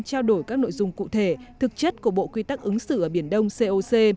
trao đổi các nội dung cụ thể thực chất của bộ quy tắc ứng xử ở biển đông coc